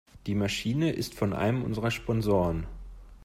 Die Maschine ist von einem unserer Sponsoren.